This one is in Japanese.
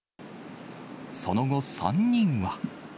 その後、３人は。